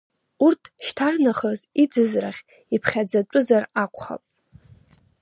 Урҭ шьҭарнахыс иӡыз рахь иԥхьаӡатәызар акәхап.